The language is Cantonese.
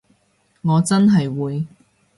我真係會